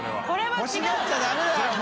欲しがっちゃダメだよお前。